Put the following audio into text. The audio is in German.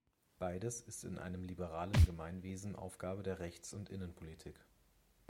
Beides ist in einem liberalen Gemeinwesen Aufgabe der Rechts- und Innenpolitik.